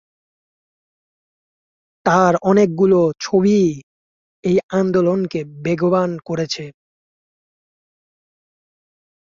তার অনেকগুলো ছবিই এই আন্দোলনকে বেগবান করেছে।